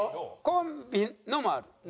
コンビのもある。